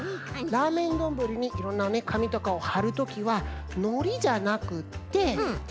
ラーメンどんぶりにいろんなねかみとかをはるときはのりじゃなくってテープやりょうめん